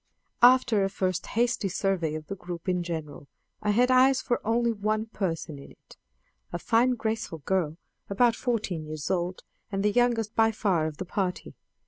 After a first hasty survey of the group in general, I had eyes for only one person in it a fine graceful girl about fourteen years old, and the youngest by far of the party.